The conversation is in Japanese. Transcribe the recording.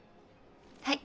はい。